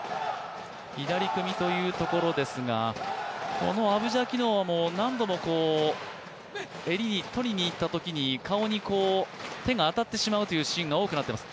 左組みというところですが、このアブジャキノワも何度も襟を取りにいったときに顔に手が当たってしまうというシーンが多くなっています。